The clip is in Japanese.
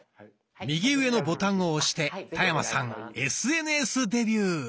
右上のボタンを押して田山さんＳＮＳデビュー。